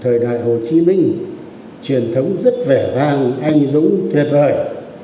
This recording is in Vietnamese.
thời đại hồ chí minh truyền thống rất vẻ vang anh dũng tuyệt vời